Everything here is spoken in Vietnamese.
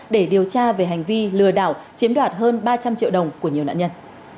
để điều tra về hành vi lừa đảo chiếm đoạt hơn ba trăm linh triệu đồng của nhiều nạn nhân